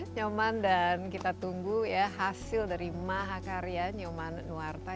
nyoman dan kita tunggu ya hasil dari mahakarya nyoman nuwarta